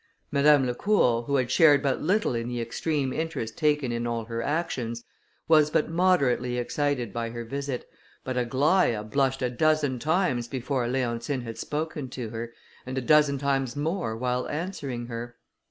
Madame Lacour, who had shared but little in the extreme interest taken in all her actions, was but moderately excited by her visit, but Aglaïa blushed a dozen times before Leontine had spoken to her, and a dozen times more while answering her.